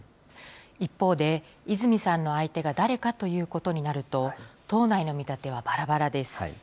一方で、泉さんの相手が誰かということになると、党内の見立てはばらばらです。